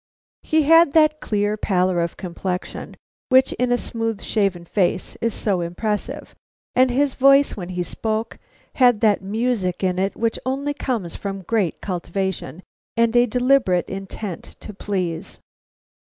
He had that clear pallor of complexion which in a smooth shaven face is so impressive, and his voice when he spoke had that music in it which only comes from great cultivation and a deliberate intent to please.